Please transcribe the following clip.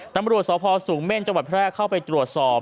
ตำรวจสพสูงเม่นจังหวัดแพร่เข้าไปตรวจสอบ